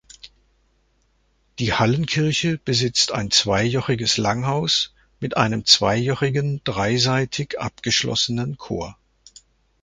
Die Hallenkirche besitzt ein zweijochiges Langhaus mit einem zweijochigen dreiseitig abgeschlossenen Chor.